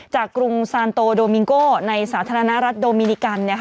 กรุงซานโตโดมิงโก้ในสาธารณรัฐโดมินิกัน